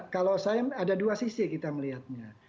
kalau saya ada dua sisi kita melihatnya